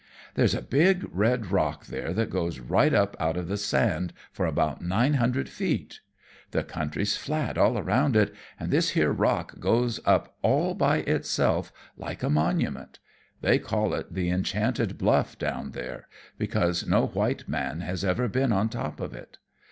"There's a big red rock there that goes right up out of the sand for about nine hundred feet. The country's flat all around it, and this here rock goes up all by itself, like a monument. They call it the Enchanted Bluff down there, because no white man has ever been on top of it.